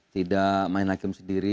tidak main hakim sendiri